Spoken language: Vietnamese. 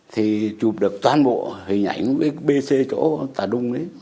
thì chụp được toàn bộ hình ảnh với bê xê chỗ tà nung ấy